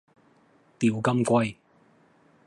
釣金龜